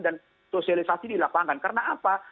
dan sosialisasi di lapangan karena apa